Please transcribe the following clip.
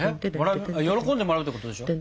喜んでもらうってことでしょ？